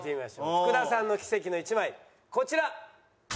福田さんの奇跡の１枚こちら！